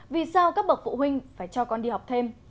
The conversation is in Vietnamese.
vì sao các bậc phụ huynh phải cho con đi học thêm